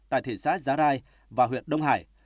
tại thị xã giá rai và huyện đông hải